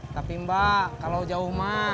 tapi mbak kalau jauh mah